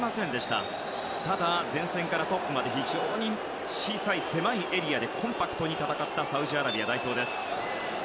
ただ、前線からトップまで非常に小さい、狭いエリアでコンパクトに戦ったサウジアラビア代表です。